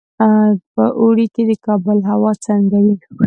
په اوړي کې د کابل هوا څنګه وي؟